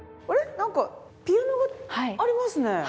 なんかピアノがありますね。